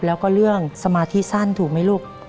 แล้วก็เรื่องสมาธิสั้นถูกไหมลูก